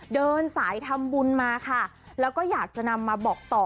เดินสายทำบุญมาค่ะแล้วก็อยากจะนำมาบอกต่อ